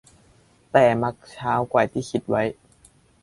แต่มักช้ากว่าที่คิดไว้